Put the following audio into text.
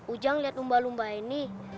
ujang lihat lumba lumba ini